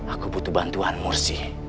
aku butuh bantuanmu rizky